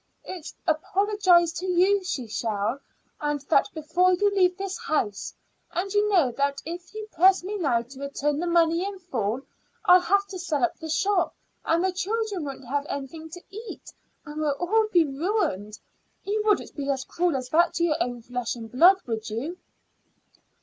It's apologize to you she shall, and that before you leave this house. And you know that if you press me now to return the money in full I'll have to sell up the shop, and the children won't have anything to eat, and we'll all be ruined. You wouldn't be as cruel as that to your own flesh and blood, would you?"